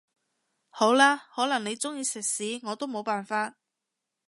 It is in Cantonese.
好啦，可能你鍾意食屎我都冇辦法